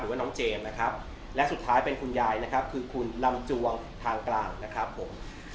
ว่าน้องเจมส์นะครับและสุดท้ายเป็นคุณยายนะครับคือคุณลำจวงทางกลางนะครับผม